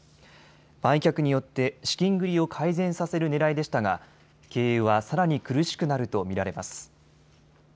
売却によって資金繰りを改善させるねらいでしたが経営はさらに苦しくなると見られます。